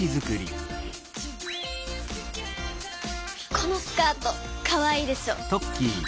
このスカートかわいいでしょ。